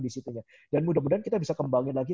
di situnya dan mudah mudahan kita bisa kembangin lagi